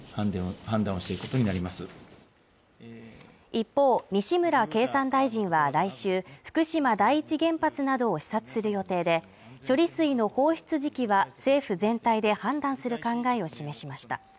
一方、西村経産大臣は来週、福島第一原発などを視察する予定で、処理水の放出時期は政府全体で判断する考えを示しました。